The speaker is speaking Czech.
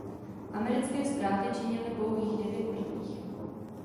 Americké ztráty činily pouhých devět mrtvých.